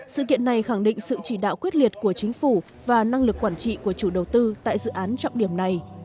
sự kiện này khẳng định sự chỉ đạo quyết liệt của chính phủ và năng lực quản trị của chủ đầu tư tại dự án trọng điểm này